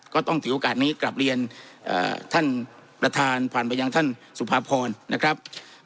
ก็ต้องถือโอกาสนี้กลับเรียนท่านประธานผ่านไปยังท่านสุภาพรนะครับ